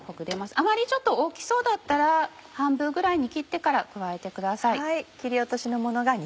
あまりちょっと大きそうだったら半分ぐらいに切ってから加えてください。